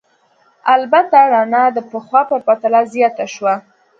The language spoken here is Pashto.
البته رڼا د پخوا په پرتله زیاته شوه.